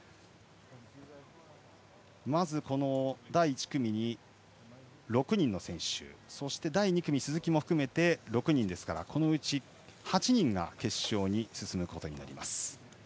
まず第１組に６人の選手そして、第２組は鈴木も含めて６人なのでこのうち８人が決勝に進むことになります。